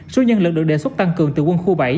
số nhân lực được đề xuất tăng cường từ quân khu bảy